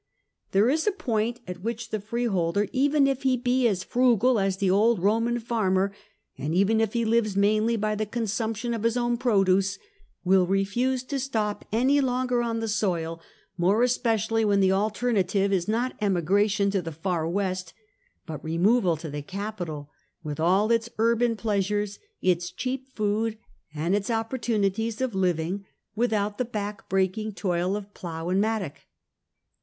There is a point at which the free holder, even if he be as frugal as the old Roman farmer, and even if he lives mainly by the consumption of his own produce, will refuse to stop any longer on the soU, more especially when the alternative is not emigration to the Ear W est, but removal to the capital, with all its urban pleasures, its cheap food, and its opportunities of living without the back breaking toil of plough and mattock.